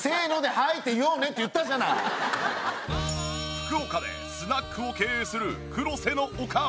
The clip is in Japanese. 福岡でスナックを経営する黒瀬のおかん。